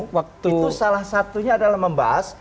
waktu itu salah satunya adalah membahas